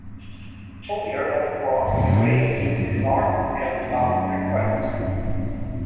Hollier was born and raised in the North End of Detroit.